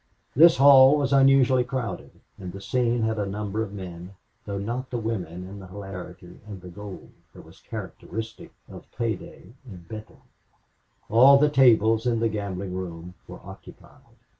This hall was unusually crowded, and the scene had the number of men, though not the women and the hilarity and the gold, that was characteristic of pay day in Benton. All the tables in the gambling room were occupied.